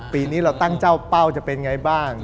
ปีนี้เราตั้งเจ้าเป้าจะเป็นไงบ้าง